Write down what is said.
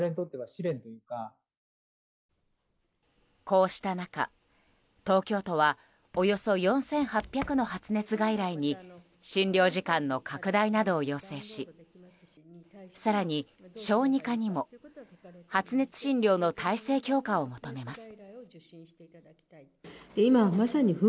こうした中、東京都はおよそ４８００の発熱外来に診療時間の拡大などを要請し更に、小児科にも発熱診療の体制強化を求めます。